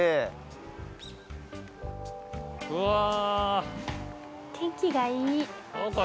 うわ。